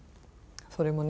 それもね